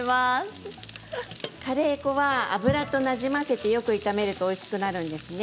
カレー粉は油となじませてよく炒めるとおいしくなるんですね。